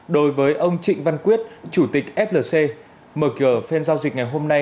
đối với ông trịnh văn quyết chủ tịch flc mở cửa phiên giao dịch ngày hôm nay